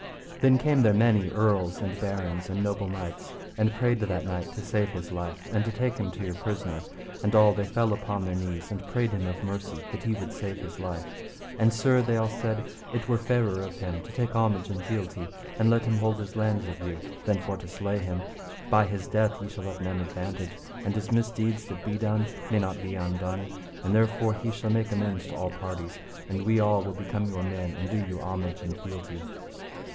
Then came there many earls, and barons, and noble knights, and prayed that knight to save his life, and take him to your prisoner. And all they fell upon their knees, and prayed him of mercy, and that he would save his life; and, Sir, they all said, it were fairer of him to take homage and fealty, and let him hold his lands of you than for to slay him; by his death ye shall have none advantage, and his misdeeds that be done may not be undone; and therefore he shall make amends to all parties, and we all will become your men and do you homage and fealty.